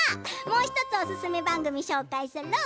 もう１つ、おすすめ番組紹介する！